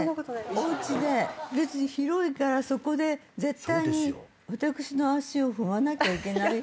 おうちで別に広いからそこで絶対に私の足を踏まなきゃいけないことないじゃないですか。